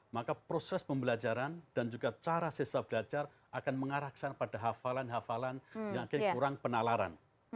maka proses pembelajaran dan juga cara siswa belajar akan mengarah ke sana pada hafalan hafalan yang kurang penalaran